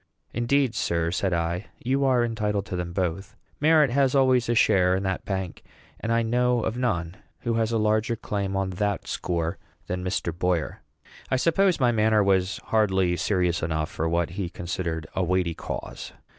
"Indeed, sir," said I, "you are entitled to them both. Merit has always a share in that bank; and I know of none who has a larger claim on that score than Mr. Boyer." I suppose my manner was hardly serious enough for what he considered a weighty cause.